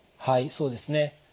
はいそうですね。